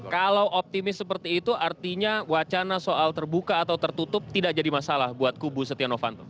kalau optimis seperti itu artinya wacana soal terbuka atau tertutup tidak jadi masalah buat kubu setia novanto